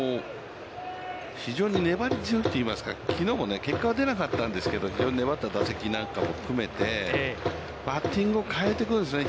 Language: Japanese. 非常に粘り強いといいますか、きのうも結果が出なかったけれども、非常に粘った打席なんかも含めて、バッティングを変えてくるんですよね。